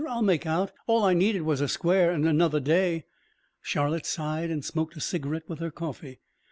I'll make out. All I needed was a square and another day." Charlotte sighed and smoked a cigarette with her coffee.